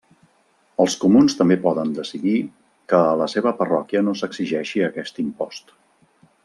Els Comuns també poden decidir que a la seva parròquia no s'exigeixi aquest impost.